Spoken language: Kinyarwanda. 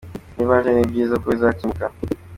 Niba aje ni byiza kuko bizakemuka.